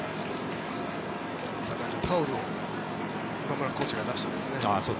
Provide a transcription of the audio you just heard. タオルを今村コーチが出していますね。